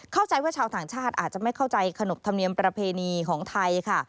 เข้าใจว่าชาวต่างชาติอาจจะไม่เข้าใจขนบธรรมเนียมประเพณีของไทยค่ะ